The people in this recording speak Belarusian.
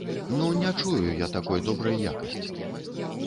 Ну, не чую я такой добрай якасці.